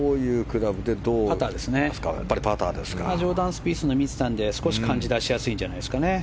ジョーダン・スピースを見てたので、少し感じやすいんじゃないですかね。